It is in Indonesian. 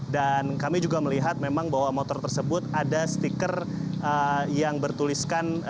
dan kami juga melihat memang bahwa motor tersebut ada stiker yang bertuliskan